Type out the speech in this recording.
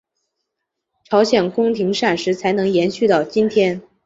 朝鲜宫廷膳食才能延续到今天。